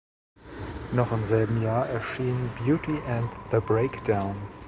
Noch im selben Jahr erschien "Beauty And The Breakdown".